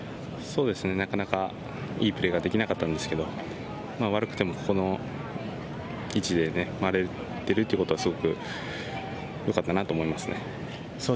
なかなかいいプレーができなかったんですけれども、悪くても、ここの位置で回れているということはすごくよかったなと思いますね。